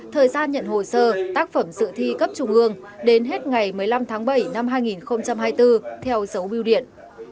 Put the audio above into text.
thời gian nhận hồ sơ tác phẩm dự thi cấp trung ương đến hết ngày một mươi năm tháng bảy năm hai nghìn hai mươi bốn theo dấu biêu điện